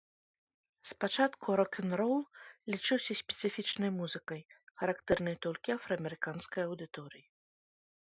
Спачатку рок-н-рол лічыўся спецыфічнай музыкай, характэрнай толькі афраамерыканскай аўдыторыі.